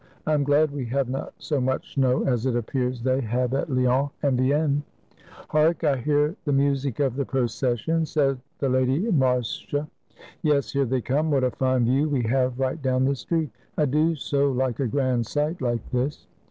I am glad we have not so much snow as it appears they have at Lyons and Vienne." "Hark! I hear the music of the procession," said the Lady Marcia. "Yes; here they come. What a fine view we have right down the street. I do so like a grand sight like this!"